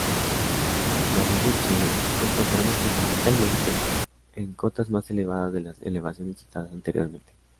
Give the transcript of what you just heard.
La acebuche la encontramos fundamentalmente en cotas más elevadas de las elevaciones citadas anteriormente.